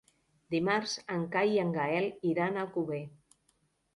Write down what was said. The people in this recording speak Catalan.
Dimarts en Cai i en Gaël iran a Alcover.